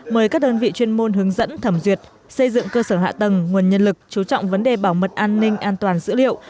mời các đơn vị chuyên môn hướng dẫn thẩm duyệt xây dựng cơ sở hạ tầng nguồn nhân lực chú trọng vấn đề bảo mật an ninh an toàn dữ liệu